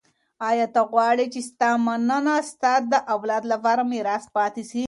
ایا ته غواړې چي ستا مننه ستا د اولاد لپاره میراث پاته سي؟